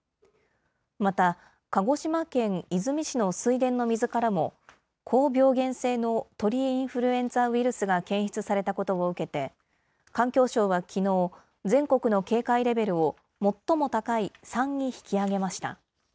また、鹿児島県出水市の水田の水からも、高病原性の鳥インフルエンザウイルスが検出されたことを受けて、環境省はきのう、全国の警戒レベルを最も高い３に引き上げました。